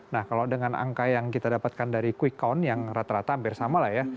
nah kalau dengan angka yang kita dapatkan dari quick count yang rata rata hampir sama lah ya